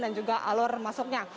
dan juga alur masuknya